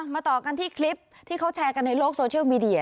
ต่อกันที่คลิปที่เขาแชร์กันในโลกโซเชียลมีเดีย